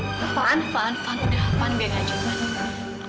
fadil fadil fadil sudah fadil